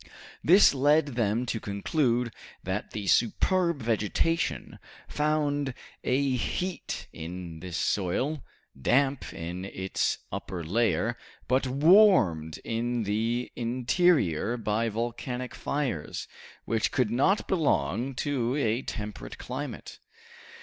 This led them to conclude that the superb vegetation found a heat in this soil, damp in its upper layer, but warmed in the interior by volcanic fires, which could not belong to a temperate climate.